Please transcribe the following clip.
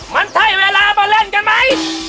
มันใช่เวลามาเล่นกันไหม